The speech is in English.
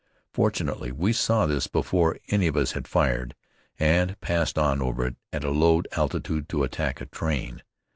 Fortunately we saw this before any of us had fired, and passed on over it at a low altitude to attack a train.